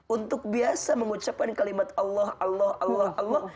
untuk biasa mengucapkan kalimat allah allah allah allah allah